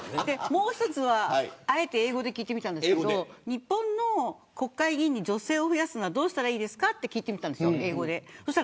もう一つはあえて英語で聞いたんですけど日本の国会議員に女性を増やすにはどうしたらいいのかと聞いてみました。